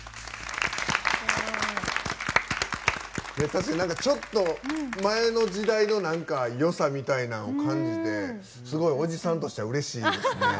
確かにちょっと前の時代の何かよさみたいなものを感じてすごいおじさんとしてはうれしいですね。